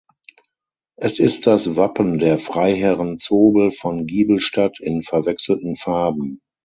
Es ist das Wappen der Freiherren Zobel von Giebelstadt in verwechselten Farben.